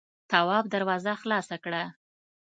تواب دروازه خلاصه کړه.